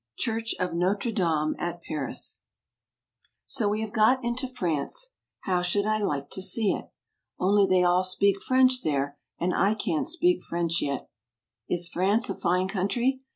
Church of Notre Dame at Paris . So we have got into France. How 1 should like to see it. Only they all speak French there, and I can't speak French yet. Is France a fine country?